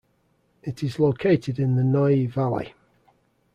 It is located in the Noye valley.